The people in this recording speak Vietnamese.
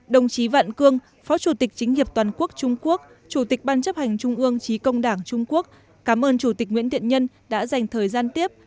đồng chí vạn cương phó chủ tịch chính hiệp toàn quốc trung quốc chủ tịch ban chấp hành trung ương trí công đảng trung quốc cảm ơn chủ tịch nguyễn thiện nhân đã dành thời gian tiếp